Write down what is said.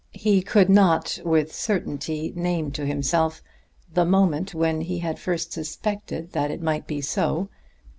He could not with certainty name to himself the moment when he had first suspected that it might be so.